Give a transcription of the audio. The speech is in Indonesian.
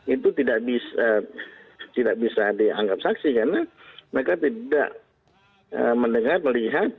itu tidak bisa dianggap saksi karena mereka tidak mendengar melihat